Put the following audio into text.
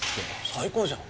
最高じゃん！